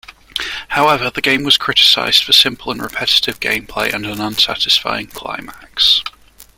However, the game was criticized for simple and repetitive gameplay and an unsatisfying climax.